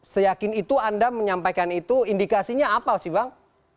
seyakin itu anda menyampaikan itu indikasinya apa sih bang